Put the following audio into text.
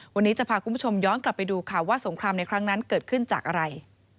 วันนี้จะพาคุณผู้ชมย้อนกลับไปดูค่ะว่าสงครามในครั้งนั้นเกิดขึ้นจากอะไร